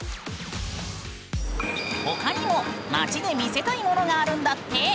他にも街で見せたいものがあるんだって！